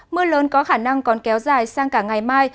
mưa lớn có khả năng còn kéo dài sang cả ngày mai